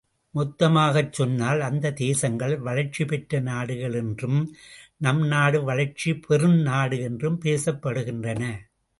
மொத்தமாகச் சொன்னால் அந்த தேசங்கள் வளர்ச்சிபெற்ற நாடுகள் என்றும், நம் நாடு வளர்ச்சி பெறும் நாடு என்றும் பேசப்படுகின்றன.